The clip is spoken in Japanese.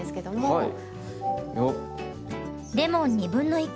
はい。